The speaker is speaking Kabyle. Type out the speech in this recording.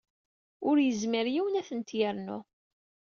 Ur yezmir yiwen ad tent-yernu.